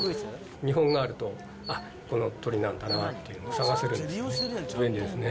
見本があると、あっ、この鳥なんだなっていうのが探せるんですよね。